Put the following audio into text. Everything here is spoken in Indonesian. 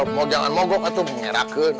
aduh si jagur jangan mogok itu mengerahkan